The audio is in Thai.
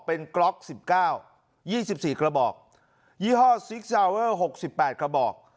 เป็นกล๊อกสิบเก้ายี่สิบสี่กระบอกยี่ห้อหกสิบแปดกระบอก